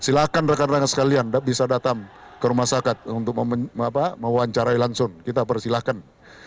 silahkan rekan rekan sekalian bisa datang ke rumah sakit untuk mewawancarai langsung kita persilahkan